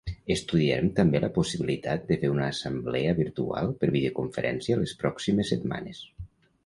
Estudiarem també la possibilitat de fer una assemblea virtual per videoconferència les pròximes setmanes.